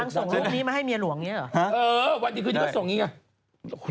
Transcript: นักนวดแล้วส่งนี่มาให้เมียหลวงเนี่ยหรอ